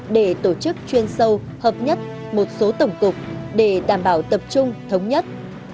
để tổ chức chuyên sâu hợp nhất một số tổng cục để đảm bảo tập trung thống nhất